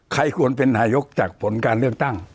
ควรเป็นนายกจากผลการเลือกตั้ง